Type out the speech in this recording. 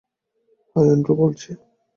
High, Andrew বলছি।